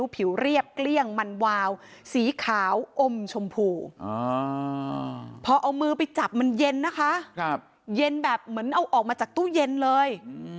พอเอามือไปจับมันเย็นนะคะเย็นแบบเหมือนเอาออกมาจากตู้เย็นเลย